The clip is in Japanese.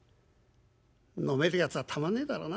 飲めるやつはたまんねえだろうな」。